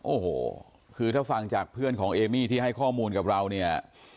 โอ้โหคือถ้าฟังจากเพื่อนของเอมี่ที่ให้ข้อมูลกับเราเนี่ย